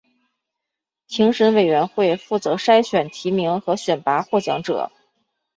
评审委员会负责筛选提名和选拔获奖者。